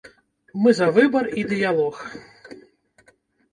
Мы за выбар і дыялог.